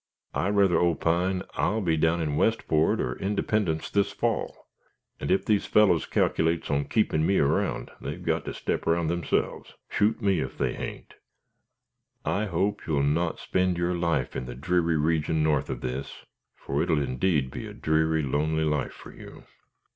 "I rather opine I'll be down in Westport or Independence this fall, and ef these fellows cac'lates on keepin' me around, they've got to step round 'emselves. Shoot me if they hain't, ogh!" "I hope you will not spend your life in the dreary region north of this, for it will indeed be a dreary, lonely life for you."